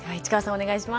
お願いします。